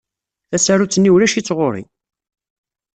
Tasarut-nni ulac-itt ɣur-i.